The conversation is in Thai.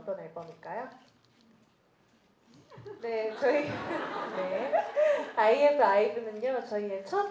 ขอบคุณครับ